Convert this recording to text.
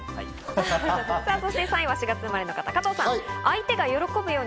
３位は４月生まれの方、加藤さん。